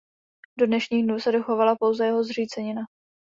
Do dnešních dnů se dochovala pouze jeho zřícenina.